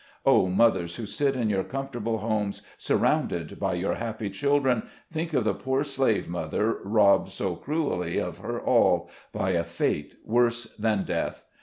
Oh, mothers who sit in your com fortable homes, surrounded by your happy children, think of the poor slave mother, robbed so cruelly of her all, by a fate worse than death